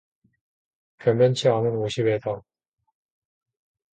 변변치 않은 옷이외다.